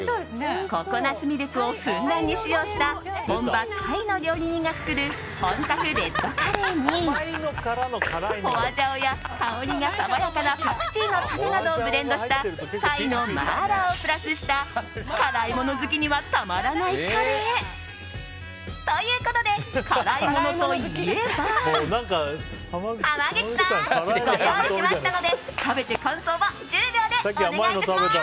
ココナッツミルクをふんだんに使用した本場タイの料理人が作る本格レッドカレーにホアジャオや、香りが爽やかなパクチーの種などをブレンドしたタイの麻辣をプラスした辛いもの好きにはたまらないカレー。ということで、辛いものといえば濱口さん、ご用意しましたので食べて感想を１０秒でお願い致します。